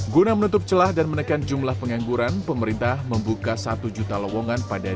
guna menutup celah dan menekan jumlah pengangguran pemerintah membuka satu juta lowongan pada dua ribu dua puluh